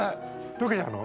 溶けちゃうの？